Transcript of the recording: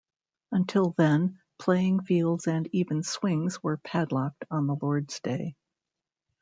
Until then, playing fields and even swings were padlocked on the Lord's Day.